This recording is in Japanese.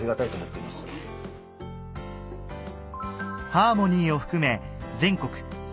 「はーもにー」を含め全国